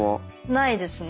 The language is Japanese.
ないですね。